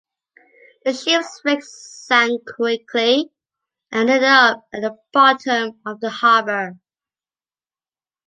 The ship’s wreck sank quickly and ended up at the bottom of the harbor.